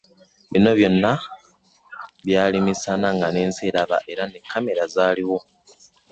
Bino byonna byali misana ng’ensi eraba era ne kkamera zaaliwo.